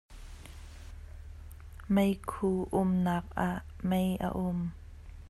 Meikhu umnak ah mei a um.